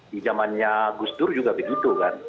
di zamannya gus dur juga begitu kan